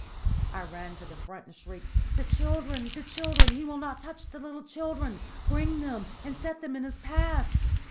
I ran to the front and shrieked: "The children! the children! He will not touch the little children! Bring them and set them in his path!"